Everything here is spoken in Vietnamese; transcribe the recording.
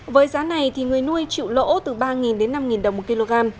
với giá này người nuôi chịu lỗ từ ba năm đồng một kg